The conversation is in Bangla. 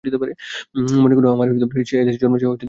মনে করুন আমার এক মেয়ে আছে, সে এদেশে জন্মেছে ও পালিত হয়েছে।